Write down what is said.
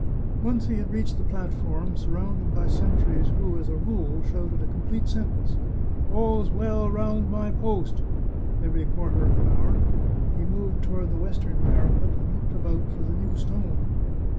Once he had reached the platform, surrounded by sen tries, who, as a rule, shouted a complete sentence, " All's well round my post," every quarter of an hour, he moved toward the western parapet, and looked about for the new stone.